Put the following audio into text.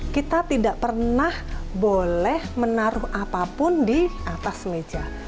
kita tidak pernah boleh menaruh apapun di atas meja